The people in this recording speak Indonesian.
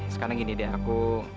sekarang gini deh aku